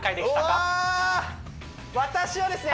うわ私はですね